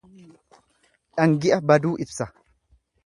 Dhangi'a baduu ibsa.